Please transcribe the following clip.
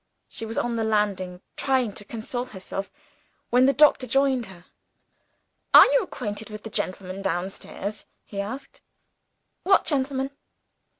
She was on the landing trying to console herself, when the doctor joined her. "Are you acquainted with the gentleman downstairs?" he asked. "What gentleman?"